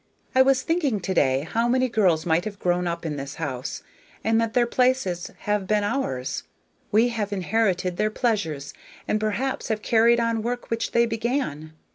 I was thinking to day how many girls might have grown up in this house, and that their places have been ours; we have inherited their pleasures, and perhaps have carried on work which they began.